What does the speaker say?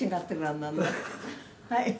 「はい！」